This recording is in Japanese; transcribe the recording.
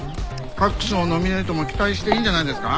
各賞ノミネートも期待していいんじゃないですか？